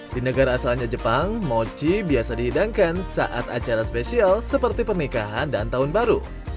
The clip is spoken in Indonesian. di negara asalnya jepang mochi biasa dihidangkan saat acara spesial seperti pernikahan dan tahun baru